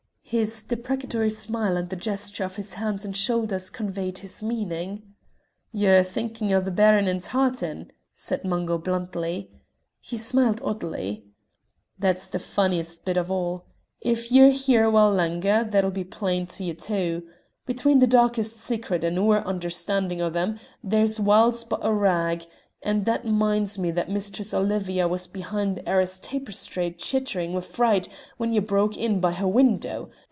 His deprecatory smile and the gesture of his hands and shoulders conveyed his meaning. "Ye're thinkin' o' the Baron in tartan," said Mungo, bluntly. He smiled oddly. "That's the funniest bit of all. If ye're here a while langer that'll be plain to ye too. Between the darkest secrets and oor understanding o' them there's whiles but a rag, and that minds me that Mistress Olivia was behin' the arras tapestry chitterin' wi' fright when ye broke in by her window.